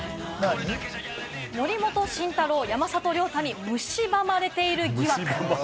森本慎太郎、山里亮太にむしばまれている疑惑。